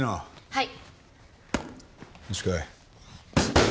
はい！